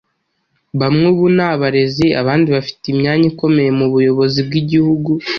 bamwe ubu ni abarezi, abandi bafite imyanya ikomeye mu buyobozi bw’igihugu,